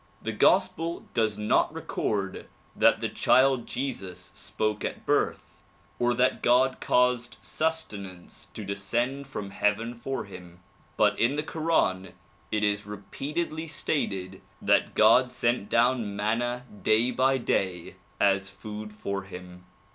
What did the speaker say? The gospel does not record that the child Jesus spoke at birth or that God caused sustenance to descend from heaven for him; but in the koran it is repeatedly stated that God sent down manna day by day as food for him.